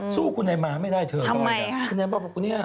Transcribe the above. สู้กูไหนมาไม่ได้เธอทำไมคุณยายบอกกับกูเนี่ย